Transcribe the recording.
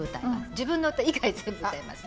自分の歌以外全部歌います！